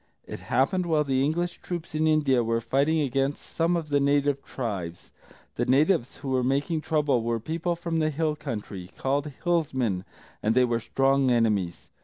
It happened while the English troops in India were fighting against some of the native tribes. The natives who were making trouble were people from the hill country, called Hillsmen, and they were strong enemies.